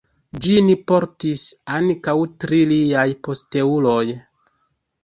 Ĝin portis ankaŭ tri liaj posteuloj.